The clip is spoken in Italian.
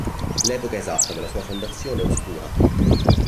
L'epoca esatta della sua fondazione è oscura.